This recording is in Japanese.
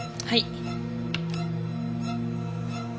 はい。